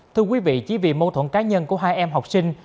thưa quý vị chỉ vì mâu thuẫn cá nhân của hai em học sinh